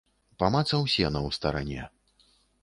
Памацаў сена ў старане.